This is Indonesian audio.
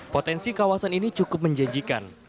potensi kawasan ini cukup menjanjikan